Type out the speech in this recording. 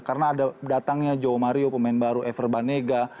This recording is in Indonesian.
karena ada datangnya joao mario pemain baru ever banega